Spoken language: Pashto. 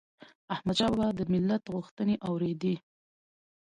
احمدشاه بابا به د ملت غوښتنې اوريدي